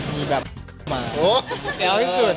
มีแบบมาแย่ล่ะที่สุด